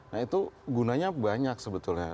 nah itu gunanya banyak sebetulnya